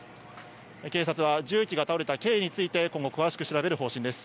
警察は重機が倒れた経緯について、今後、詳しく調べる方針です。